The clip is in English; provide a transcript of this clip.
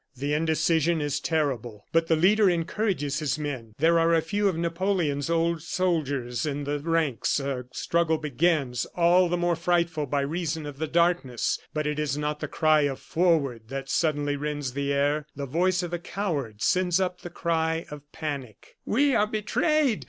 The indecision is terrible; but the leader encourages his men, there are a few of Napoleon's old soldiers in the ranks. A struggle begins, all the more frightful by reason of the darkness! But it is not the cry of "Forward!" that suddenly rends the air. The voice of a coward sends up the cry of panic: "We are betrayed!